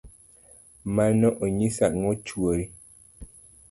mano onyiso ang'o chuora?